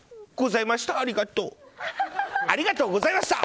ございました。